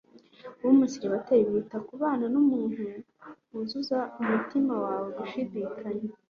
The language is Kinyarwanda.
kuba umuseribateri biruta kuba mu mubano n'umuntu wuzuza umutima wawe gushidikanya